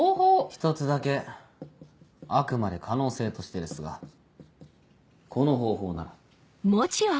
一つだけあくまで可能性としてですがこの方法なら。